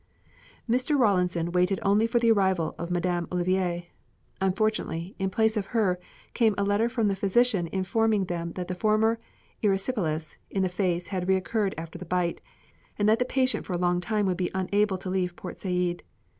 Mr. Rawlinson waited only for the arrival of Madame Olivier. Unfortunately, in place of her, came a letter from the physician informing them that the former erysipelas in the face had recurred after the bite, and that the patient for a long time would be unable to leave Port Said.